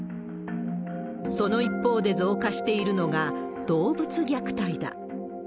その一方で、増加しているのが動物虐待だ。